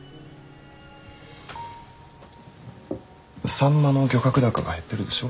サンマの漁獲高が減ってるでしょ？